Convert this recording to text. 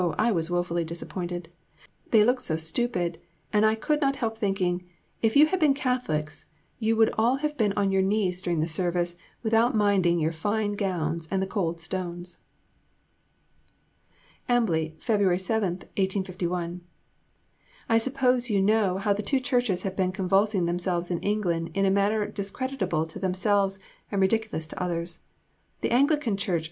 I was woefully disappointed they looked so stupid; and I could not help thinking, If you had been Catholics, you would all have been on your knees during the service, without minding your fine gowns and the cold stones. Edward Vernon Harcourt. Née Brandreth (not Mrs. Gaskell, the authoress). EMBLEY, Feb. 7 .... I suppose you know how the two churches have been convulsing themselves in England in a manner discreditable to themselves and ridiculous to others. The Anglican Ch.